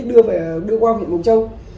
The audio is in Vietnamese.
đưa qua huyện mộc châu